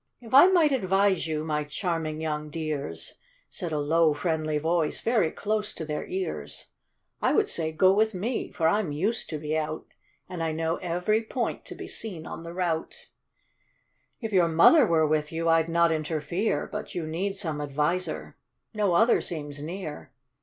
If I might advise you, my charming young dears," Said a low, friendly voice, very close to their ears, " I would say, go with me, for I'm used to be out, And I know every point to be seen on the route. THE DISOBEDIENT CHICKS. 49 If your mother were with you, I'd not interfere, But you need some adviser; no other seems near."